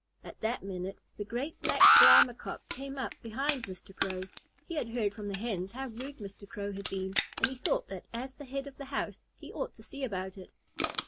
At that minute the great Black Brahma Cock came up behind Mr. Crow. He had heard from the Hens how rude Mr. Crow had been, and he thought that as the head of the house he ought to see about it.